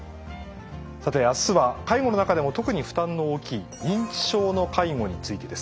さて明日は介護の中でも特に負担の大きい認知症の介護についてです。